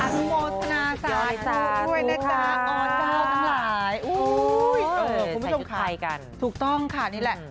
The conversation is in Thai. อนุโมทนาสารดูด้วยนะจ๊ะอร์ตรงหลายอุ้ยคุณผู้ชมค่ะถูกต้องค่ะนี่แหละ